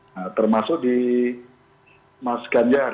nah termasuk di mas ganjar